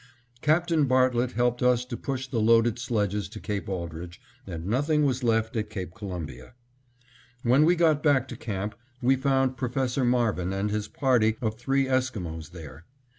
Captain Bartlett helped us to push the loaded sledges to Cape Aldrich and nothing was left at Cape Columbia. When we got back to camp we found Professor Marvin and his party of three Esquimos there.